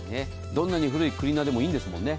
どんなに古いクリーナーでもいいんですもんね。